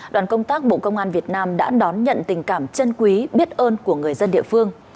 đoàn công tác bộ công an việt nam đã đón nhận tình cảm chân quý biết ơn của người dân địa phương